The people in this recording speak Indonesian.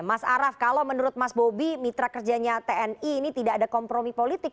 mas araf kalau menurut mas bobi mitra kerjanya tni ini tidak ada kompromi politik